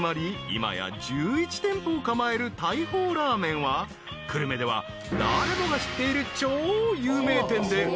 今や１１店舗を構える大砲ラーメンは久留米では誰もが知っている超有名店であの］